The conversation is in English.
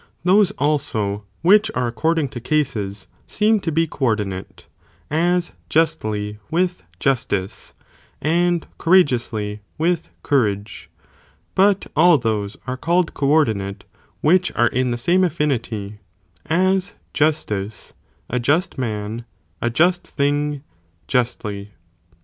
Those also which are according to cases, seem to be co ordinate, as justly with justice, and courageously with courage; but all those are called co ordinate, which are in the same affinity, as justice, a just man, a just thing, justly.